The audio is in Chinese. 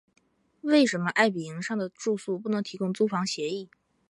为什么爱迎彼上的住宿不能提供租房协议？